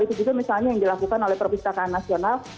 itu juga misalnya yang dilakukan oleh perpustakaan nasional